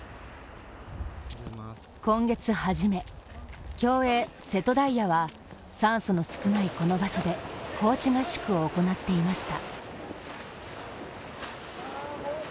今月初め、競泳・瀬戸大也は酸素の少ないこの場所で高地合宿を行っていました。